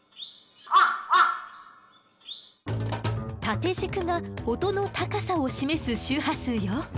縦軸が音の高さを示す周波数よ。